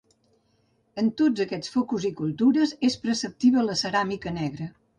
En tots aquests focus i cultures és preceptiva la ceràmica negra.